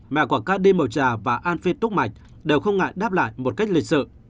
mẹ của cardi màu trà và an phi túc mạch đều không ngại đáp lại một cách lịch sự